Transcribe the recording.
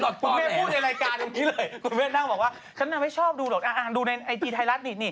ฉันไม่ชอบดูหรอกดูในไอจีไทยรัฐนี่